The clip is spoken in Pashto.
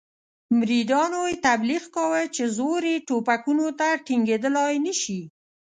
مریدانو یې تبلیغ کاوه چې زور یې ټوپکونو ته ټینګېدلای نه شي.